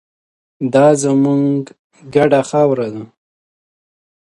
دا زموږ ګډه خاوره ده.